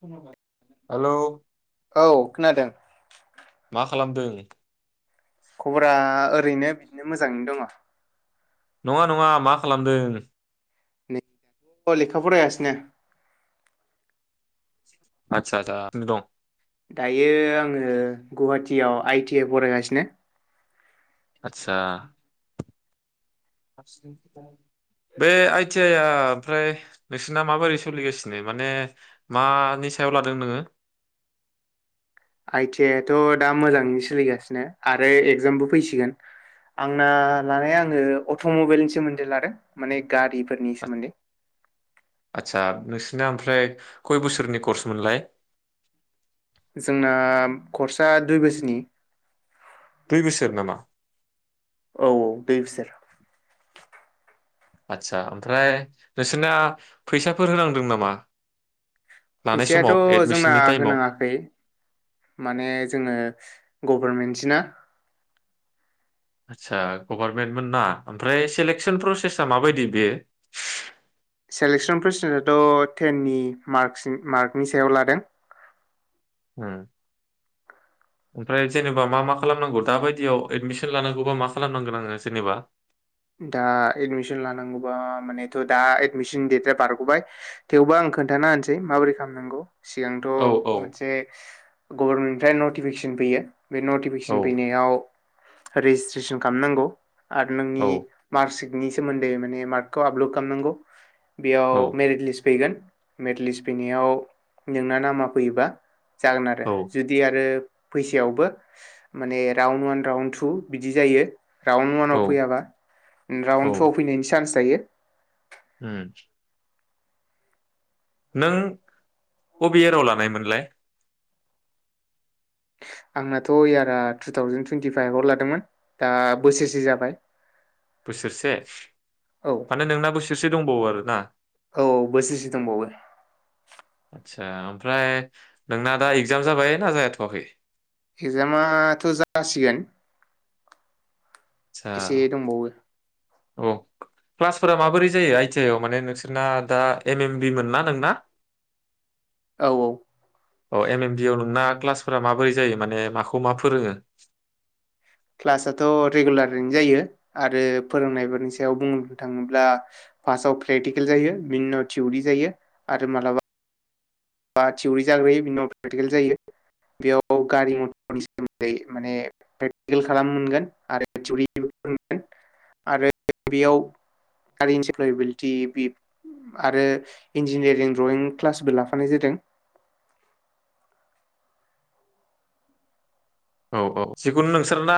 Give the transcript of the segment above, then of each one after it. खोनाबाय। औ खोनादों। मा खालामदों। खबरा ओरैनो बिदिनो मोजाङैनो दङ। नङा नङा मा खालामदों। अ लेखा फरायगासिनो। आतसा दा दं। दायो आङो गुवाहाटियाव आइटि आइ फरायगासिनो। आतसा। आसनि खोथानाय। बे आइटि आइ आ ओमफ्राय नोंसिना माबोरै सोलिगासिनो माने मानि सायाव लादों नोङो? आइटि आइ आथ' दा मोजाङैनो सोलिगासिनो आरो एगजामबो फैसिगोन। आंना लानाया आङो अट'मबाइलनि सोमोन्दै लादों माने गारिफोरनि सोमोन्दै। नोंना ओमफ्राय खय बोसोरनि कर्समोनलाय जोंना कर्साआ दुइ बोसोरनि। दुइ बोसोर नामा? औ दै बिसोर आदसा ओमफ्राय नोंसोरना फैसाफोर होनांदों नामा? लानाय फैसायाथ' समाव जोंना एडमिसननि टाइमाव होनाङाखै माने जोङो गभारनमेन्ट सोना आदसा गभारनमेन्ट मोन ना ओमफ्राय सेलेकसन प्रसे सेस आं माबायदि बेयो? सेलेक्सन प्रसेसाथ' टेन नि मार्कस मार्कनि सायाव लादों। उम ओमफ्राय जेनेबा मा मा खालामनांगौ दाबायदियाव एदमिसन लानांगौबा मा खालामनांगोन आङो जेनेबा? दा एडमिसन लानांगौबा मानेथ' दा एडमिसन डेटआ बारग'बाय थेवबो आं आं खोन्थाना होनोसै माबोरै खालामनांगौ। सिगांथ' औ औ मोनसे गभर्नमेन्टनिफ्राय नटिफिकेसन फैयो। बे औ नटिफिकेसन फैनायाव रेजिसट्रेसन खालामनांगौ आरो औ नोंनि मार्कसिकनि सोमोनदै माने मार्कखौ आपलद खालाम नांगौ। औ फैगोन मेरिटलिस् फैनायाव नोंना नामा फैयोबा जागोन आरो औ जुदि आरो फैसायावबो माने राउन्ड वान राउन्ड टु बिदि जायो राउन्ड औ ववानाव फैयाबा राउन्ड टुव फैनायनि चान्स थायो। ओ नों अबे याराव लानायमोनलाय! आंनाथ' इयारा टु थावजेन टुइन्टि फाइभआव लादोंमोन दा बोसोरसे जाबाय। बोसोरसे औ माने नोंना बोसोरसे दंबावो आरोना? औ बोसोरसे दंबावो। आदसा ओमफ्राय नोंना दा इगजाम जाबाय ना जाथ'वाखै? एक्जामाथ' जासिगोन। आदसा एसे दंबावो औ क्लासफोरा माबोरै जायो आइ टि आइ आव माने नोंसोरना दा एम एम बि मोन ना नोंना? औ औ एम एम बि नोंना क्लास फोरा माबोरै जायो माने माखौ मा फोरोङो? क्लासाथ' रेगुलारैनो जायो आरो फोरोंनायफोरनि सायाव बुंनो थाङोब्ला फासाव प्रेक्टिकेल जायो, बिनाव थिउरि जायो आरो मालाबा बा थिउरि जाग्रोयो बिन प्रेकटिकेल जायो। बेयाव गारि-मथरनि सोमोन्दै माने प्रेकटिकेल खालामनो मोनगोन आरो थिउरि मोनगोन आरो बेयाव [unintelligible] आरो इन्जिनियारिं द्रयिं क्लासबो ला नाय जादों। औ औ जिखुनु नोंसोरना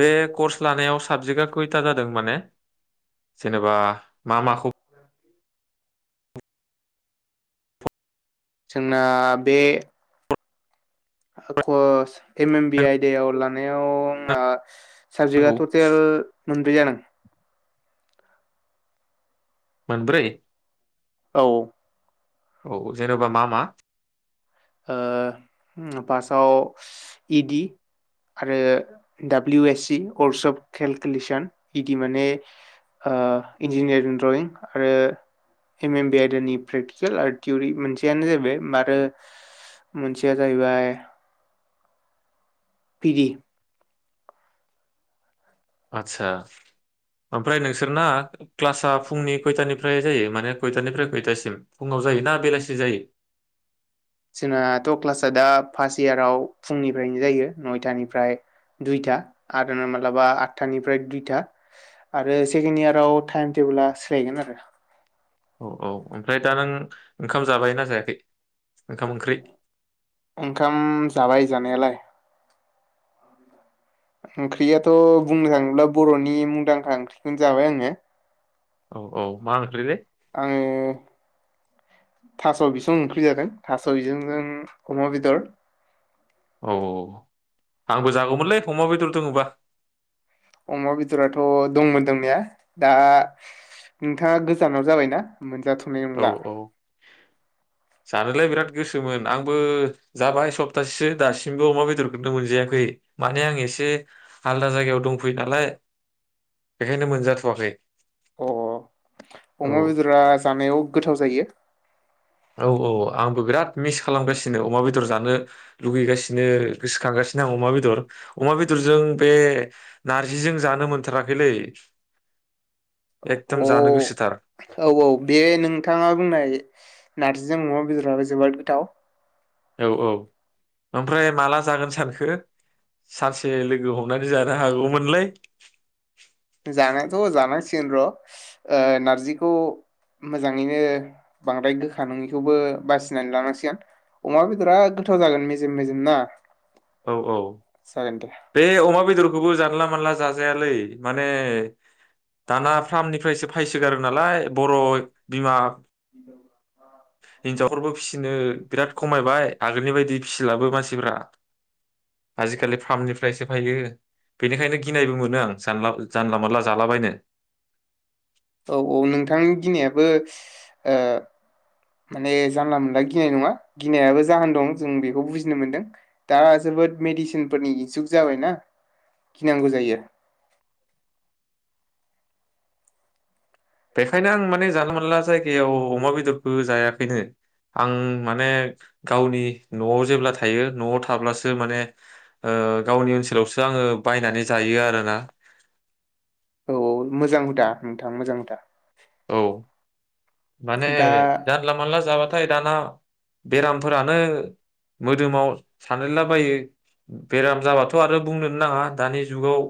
बे कर्स लानायाव साबजेक्टआ खयथा जादों माने? जेनेबा मा माखौ जोंना बे कर्स एम एम बि आयदायाव लानायाव आंना नांगौ साबजेक्टआ टटेल मोनब्रै जादों। मोनब्रै? औ। औ जेन'बा मा मा? ओ फार्सआव इ डि आरो W S works of calculation, E D माने इन्जिनियारिं ड्रयिं आरो एम एम बि आइदनि प्रेकटिकेल आरो थिउरि मोनसेयानो जाबाय आरो मोनसेया जाहैबाय पि दि आतसा। ओमफ्राय नोंसोरना क्लासा फुंनि खयथानिफ्राय जायो माने खयथानिफ्राय खयथासिम फुङाव जायो ना बेलासि जायो? जोंनाथ' क्लासआ दा फार्स्ट इयाराव फुंनिफ्रायनो जायो नयथानिफ्राय दुइथा आरो मालाबा आततानिफ्राय दुइथा। आरो सेक्ण्ड इयाराव टाइम टे बोला सोलायगोन आरो। औ औ ओमफ्राय दा नों ओंखाम जाबाय ना जायाखै? ओंखाम ओंख्रि ओंखाम जाबाय जानायालाय ओंख्रियाथ' बुंनो थाङोब्ला बर'नि मुंदांखा ओंख्रिखौनो जाबाय आङो। औ औ मा ओंख्रिलै? आङो थास' बिसं ओंख्रि जादों थास' बिसंजों अमा बेदर। औ औ आंबो जागौमोनलै अमा बेदर दङबा अमा बेदराथ' दंमोन दंनाया, दा नोंथाङा गोजानाव जाबायना मोनजाथ'नाय औ नंला औ जानोलाय बिराद गोसोमोन आंबो जाबाय सप्तासेसो दासिमबो अमा बेदरखौनो मोनजायाखै माने आं एसे आलदा जायगायाव दंफैयो नालाय बेखायनो मोनजाथ'वाखै अ औ अमा बेदरा जानायाव गोथाव जायो। औ औ आंबो बिराद मिस खालामगासिनो अमा बेदर जानो लुगैगासिनो गोसोखांगासिनो आं अमा बेदर। अमा बेदरजों बे नारजिजों जानो मोनथाराखैलै एकदम जानो गोसोथार अ औ औ बे नोंथाङा बुंनाय नारजिजों अमा बेदराबो जोबोद गोथाव। औ औ ओमफ्राय माला जागोन सानखो? सानसे लोगो हमनानै जानो हागौमोनलै जानायाथ जानायसिन र ओ नारजिखौ मोजाङैनो बांद्राय गोखा नङैखौबो बासिनानै लानांसिगोन अमा बेदरा गोथाव जागोन मेजेम मेजेम ना औ औ जागोन दे बे अमा बेदर खौबो जानला मानला जाजायालै माने दाना फार्मनिफ्रायसो फायसोगारो नालाय बर' बिमा हिनजावफोरबो फिसिनो बिराद खमायबाय आगोलनि बायदि फिसिलाबो मानसिफोरा आजिखालि फार्मनिफ्रायसो फायो बेनिखायनो गिनायबो मोनो आं जानला जानला मोनला जालाबायनो औ औ नोंथांनि गिनायाबो ओ माने जानला मोनला गिनाय नङा गिनायाबो जाहोन दं जों बेखौ बुजिनो मोनदों दा जों जोबोद मेदिसिनफोरनि जुग जाबायना गिनांगौ जायो। [inaudible] बेखायनो आं माने जानला मोनला जायगायाव अमा बेदरखौ जायाखैनो आं माने गावनि नआव जेब्ला थायो नआव थाब्लासो माने ओ गावनि ओनसोलावसो आङो बायनानै जा यो आरो आरो ना औ औ मोज जां नोंथां मोजांनो दा औ माने दा जानला मानला जाबाथाय दाना बेरामफोरानो मोदोमाव सानेनलाबायो बेराम जाबाथ आरो बुंनोनो नाङा दानि जुगाव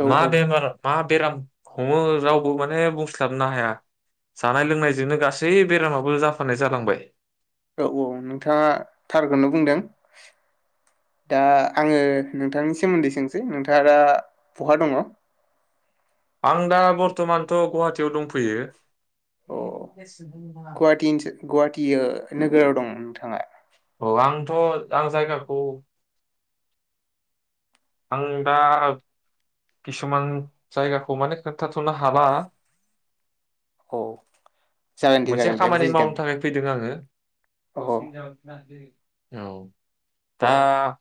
औ मा बेमार मा बेराम हमो रावबो माने बुं स्लाबनो हाया जानाय लोंनायजोंनो गासै बेरामाबो जाफानाय जालांबाय। औ औ नोंथाङा थारखोनो बुंदों। दा आङो नोंथांनि सोमोन्दै सोंसै नोंथाङा बहा दङ? आं दा बर्थमानथ' गुवाहाटीयाव दंफैयो। अ गुाहटीनिसो गुवाहाटी ओ नोगोराव दं नोंथाङा? औ आंथ आं जायगाखौ आं दा किसुमान जायगाखौ माने खोन्थाथ'नो हाला। औ जागोन दे मोनसे जागोन दे खामानि बुजिदों मावनो थाखाय फैदों आङो। [unintelligible] अ औ अ दा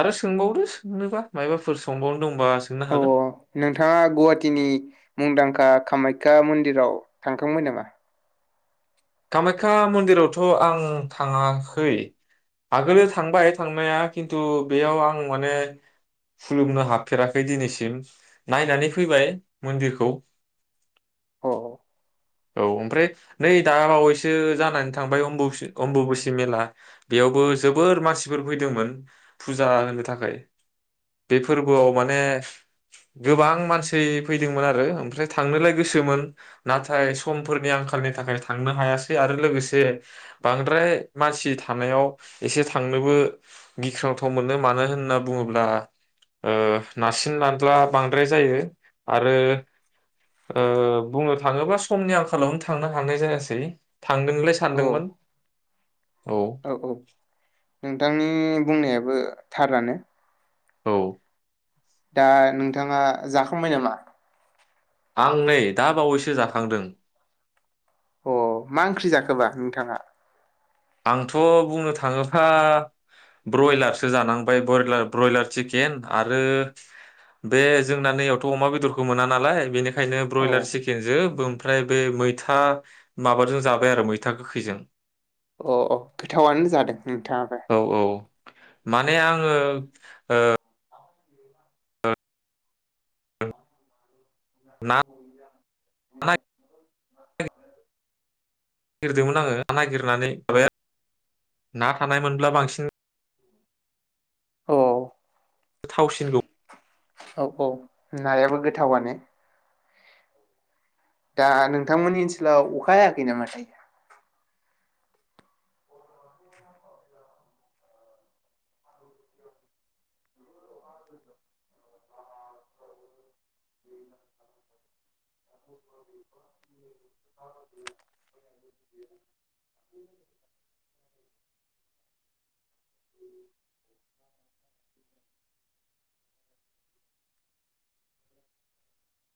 आरो सोंबावदो सोंनोबा मायबाफोर सोंबावनो दंबा सोंनो अ हागोन नोंथाङा गुवाहाटीनि मुंदांखा खा कामाख्या मन्दिराव थांखांबाय नामा? कामाख्या मन्दिरावथ' आङो थाङाखै आगोलो थांबाय। थांनाया खिन्थु बेयाव आं माने खुलुमनो हाबफेराखै दिनैसिम नायनानै फैबाय मन्दिरखौ। अ औ ओमफ्राय नै दा बावैसो जानानै थांबायम अम्बुसि अम्बुुबुसि मेला बेयावबो जोबोर मानसिफोर फैदों। मोन फुजा होनो थाखाय बे फोरबोआव माने गोबां मानसै फैदोंमोन आर ओ थांनोलाय गोसोमोन नाथाय समफोरनि आंखालनि थाखाय थांनो हायासै आरो लोगोसे बांद्राय मानसि थानायाव एसे थांनोबो गिख्रंथाव मोनो मानो होनना बुङोब्ला ओ नारसिन नारदला बांद्राय जायो आरो ओ बुंनो थाङोबा समनि आंखालावनो थांनो हा थांनाय जायासै थांदों नोंलाय अ सानदोंमोन। औ औ नोंथांनि बुंनायाबो थारानो। औ। दा नोंथाङा जाखांबाय नामा? आं नै दा बावैसो जाखांदों। अ मा ओंख्रि जाखोबा नोंथाङा? आंथ' बुंनो थाङोब्ला ब्रयलारसो जानांबाय ब्रयलार। ब्रयलार चिकेन आरो बे जोंना नैयावथ' अमा बेदरखौ मोना नालाय बेनिखायनो औ ब्रयलार चिकेन जो ओमफ्राय बे मैथा माबाजों जाबाय आरो मैथा गोखैजों अ औ गोथावनो जादों नोंथाङाबो। औ औ माने आङो ओ ना [unintelligible] नागिरदोंमोन आङो नागिरनानै माबाया ना थानायमोनब्ला बांसिन औ। थावसिनगौ। औ औ नायाबो गोथावानो। दा नोंथांमोननि ओनसोलाव अखा हायाखै नामाथाय?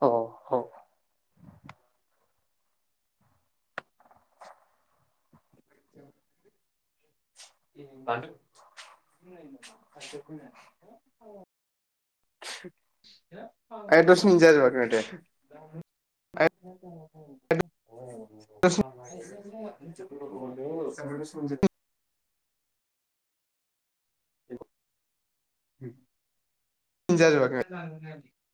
औ औ। [unintelligible] आया दस मिनिट [unintelligible] [unintelligible] [unintelligible] [unintelligible] [unintelligible]